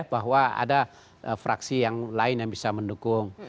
bahwa ada fraksi yang lain yang bisa mendukung